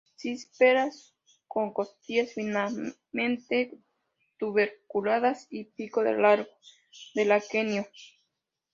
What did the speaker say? Cipselas con costillas finamente tuberculadas y pico del largo del aquenio.